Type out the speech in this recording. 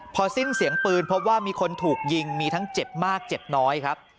พอสิ้นเสียงปืนพบว่ามีคนถูกยิงมีทั้งเจ็บมากเจ็บน้อยครับ